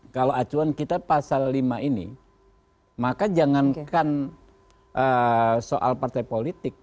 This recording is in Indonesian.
kalau acuan kita pasal lima ini maka jangankan soal partai politik